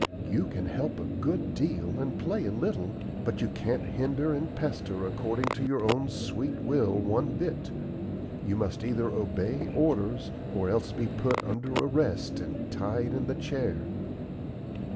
You can help a good deal, and play a little, but you can't hinder and pester according to your own sweet will one bit. You must either obey orders or else be put under arrest and tied in the chair."